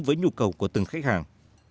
với nhu cầu của từng khách hàng